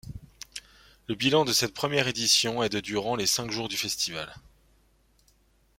Le bilan de cette première édition est de durant les cinq jours du festival.